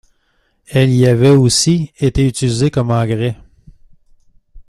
Elle y avait aussi été utilisée comme engrais.